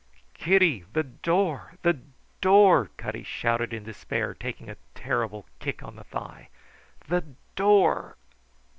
"Kitty, the door, the door!" Cutty shouted in despair, taking a terrible kick on the thigh. "The door!"